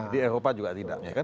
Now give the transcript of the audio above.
di eropa juga tidak